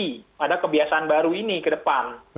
terjadi pada kebiasaan baru ini ke depan